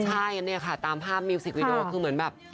ใช่เนี่ยค่ะตามภาพมิวสิกวิดีโอคือเหมือนแบบ